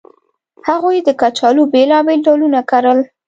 هغوی د کچالو بېلابېل ډولونه کرل